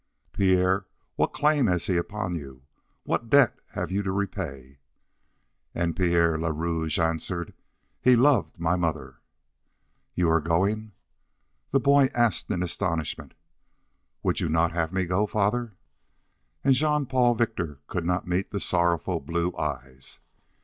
"Pierre, what claim has he upon you? What debt have you to repay?" And Pierre le Rouge answered: "He loved my mother." "You are going?" The boy asked in astonishment: "Would you not have me go, Father?" And Jean Paul Victor could not meet the sorrowful blue eyes.